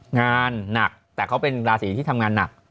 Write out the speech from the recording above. งานหนักแต่เขาเป็นราศีที่ทำงานหนัก